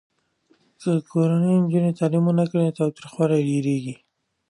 که کورنۍ نجونو ته تعلیم ورنه کړي، تاوتریخوالی ډېریږي.